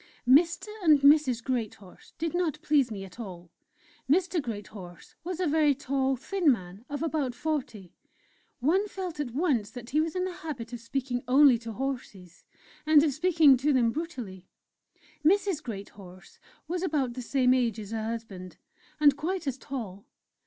Mr. and Mrs. Greathorse did not please me at all. Mr. Greathorse was a very tall, thin man of about forty; one felt at once that he was in the habit of speaking only to horses and of speaking to them brutally! Mrs. Greathorse was about the same age as her husband, and quite as tall.